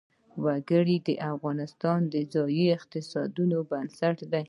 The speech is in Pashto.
وګړي د افغانستان د ځایي اقتصادونو بنسټ دی.